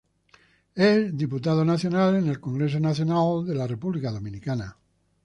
Es Diputado Nacional en el Congreso Nacional de la República Dominicana.